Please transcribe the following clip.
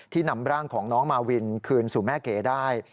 นำร่างของน้องมาวินคืนสู่แม่เก๋ได้